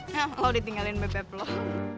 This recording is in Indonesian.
nah lo ditinggalin bebeploh